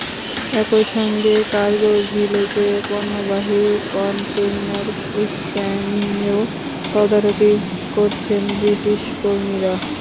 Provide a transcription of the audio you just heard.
একই সঙ্গে কার্গো ভিলেজে পণ্যবাহী কনটেইনার স্ক্যানিংয়েও তদারকি করছেন ব্রিটিশ কর্মীরা।